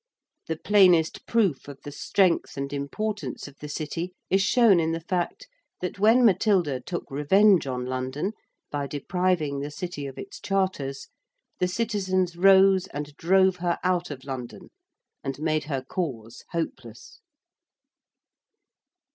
The plainest proof of the strength and importance of the City is shown in the fact that when Matilda took revenge on London by depriving the City of its Charters the citizens rose and drove her out of London and made her cause hopeless.